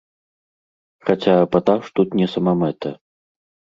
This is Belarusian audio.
Хаця эпатаж тут не самамэта.